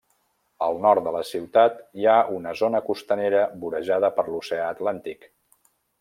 Al nord de la ciutat, hi ha una zona costanera vorejada per l'Oceà Atlàntic.